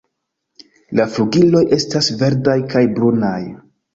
La flugiloj estas verdaj kaj brunaj.